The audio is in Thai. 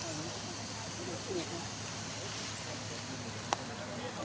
สวัสดีครับทุกคน